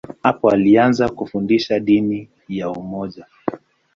Hapo alianza kufundisha dini ya umoja.